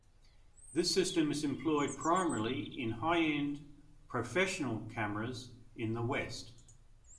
This system is employed primarily in high-end "professional" cameras in the West.